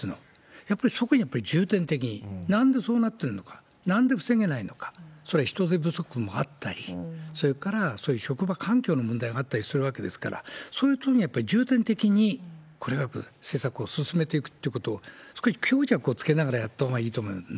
やっぱりそこを重点的に、なんでそうなってるのか、なんで防げないのか、それは人手不足もあったり、それからそういう職場環境の問題があったりするわけですから、そういうところにやっぱり重点的に、これは施策を進めていくっていうことを、少し強弱をつけながらやったほうがいいと思いますね。